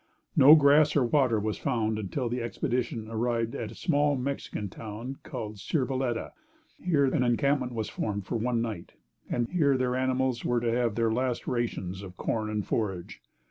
No grass or water was found until the expedition arrived at a small Mexican town called Sirvilletta. Here an encampment was formed for one night, and here their animals were to have their last rations of corn and forage.